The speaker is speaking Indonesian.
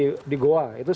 itu soal pendidikan gratis